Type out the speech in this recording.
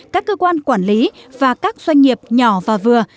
các cơ quan quản lý và các doanh nghiệp nhỏ và vừa